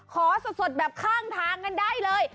สดแบบข้างทางกันได้เลย